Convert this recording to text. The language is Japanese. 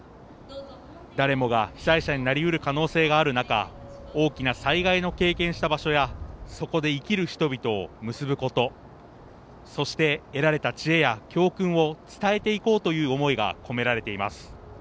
誰もが被災者になりうる可能性がある中大きな災害の経験した場所やそこで生きる人々を結ぶことそして得られた知恵や教訓を伝えていこうという思いが込められています。